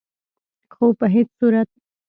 خو په هيڅ صورت